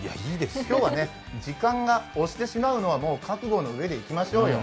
今日は時間が押してしまうのはもう覚悟のうえでいきましょうよ。